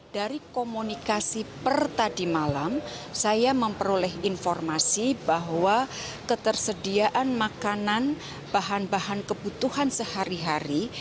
dari komunikasi per tadi malam saya memperoleh informasi bahwa ketersediaan makanan bahan bahan kebutuhan sehari hari